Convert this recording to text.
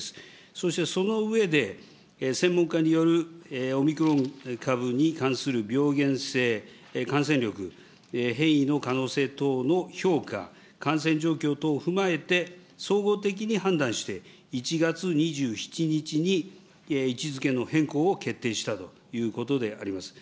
そしてその上で、専門家によるオミクロン株に関する病原性、感染力、変異の可能性等の評価、感染状況等を踏まえて総合的に判断して、１月２７日に位置づけの変更を決定したということであります。